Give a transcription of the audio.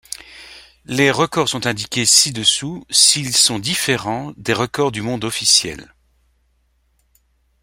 Les records sont indiqués ci-dessous s'ils sont différents des records du monde officiels.